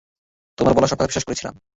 তোমার বলা সব কথা বিশ্বাস করেছিলাম।